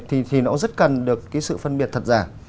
thì nó rất cần được cái sự phân biệt thật giả